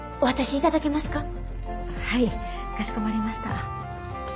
はいかしこまりました。